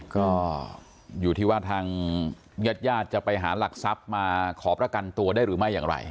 ก็อยู่ที่ว่าทางญาติญาติจะไปหาหลักทรัพย์มาขอประกันตัวได้หรือไม่อย่างไร